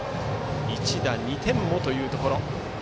一打２点もというところ。